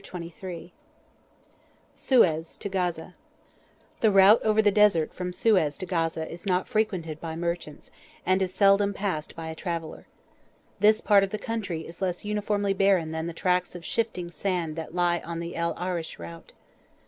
CHAPTER XXIII—SUEZ TO GAZA The route over the Desert from Suez to Gaza is not frequented by merchants, and is seldom passed by a traveller. This part of the country is less uniformly barren than the tracts of shifting sand that lie on the El Arish route.